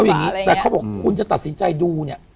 อย่างนี้แต่เขาบอกคุณจะตัดสินใจดูเนี่ย